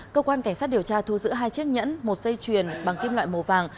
cơ quan cảnh sát điều tra thu giữ hai chiếc nhẫn một dây chuyền bằng kim loại màu vàng